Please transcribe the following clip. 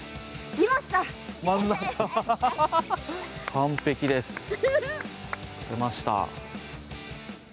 完璧です、撮れました。